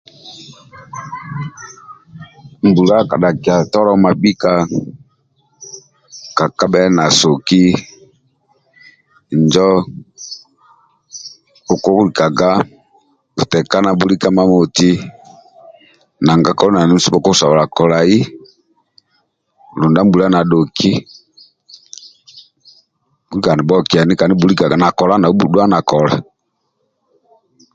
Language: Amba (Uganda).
Mbula kadhakia tolo mabhika kekabhe na soki injo bhukulikaga bhutekana bhulika imamamoti nanga koli na ndio okusobola kolai lindwa mbula nadhoki bhukulikaga nibhuokiani na kola nau bhudhua na kola